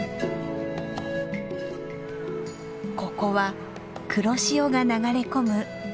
ここは黒潮が流れ込む豊かな海。